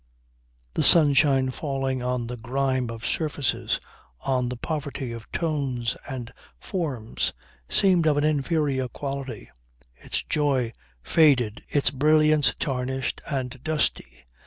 The sunshine falling on the grime of surfaces, on the poverty of tones and forms seemed of an inferior quality, its joy faded, its brilliance tarnished and dusty.